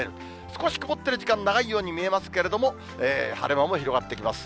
少し曇ってる時間、長いように見えますけれども、晴れ間も広がってきます。